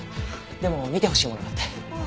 でも見てほしいものがあって。